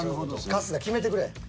春日決めてくれ。